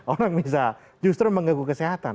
orang bisa justru mengganggu kesehatan